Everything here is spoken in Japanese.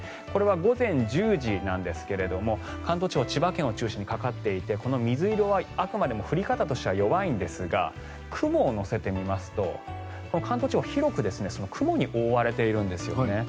これは午前１０時なんですが関東地方千葉県を中心にかかっていてこの水色はあくまでも降り方としては弱いんですが雲を乗せてみますと関東地方、広く雲に覆われているんですよね。